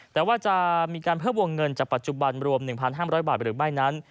แต่ว่าจะมีการเพิ่มวงเงินจากปัจจุบันรวม๑๕๐๐บาทหรือไม่นั้น